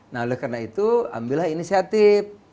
nah oleh karena itu ambillah inisiatif